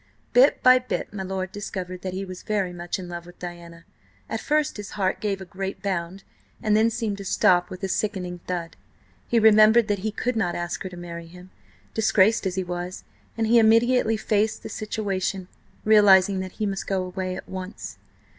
Bit by bit my lord discovered that he was very much in love with Diana. At first his heart gave a great bound, and then seemed to stop with a sickening thud. He remembered that he could not ask her to marry him, disgraced as he was, and he immediately faced the situation, realising that he must go away at once.